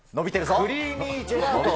クリーミージェラート。